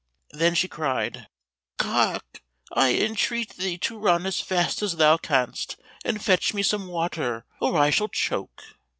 Then she cried, "Cock, I entreat thee to run as fast thou canst, and fetch me some water, or I shall choke."